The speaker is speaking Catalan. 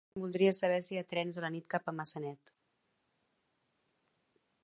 Voldria saber si hi ha trens a la nit cap a Maçanet.